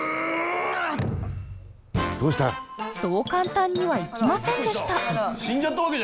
そう簡単にはいきませんでした。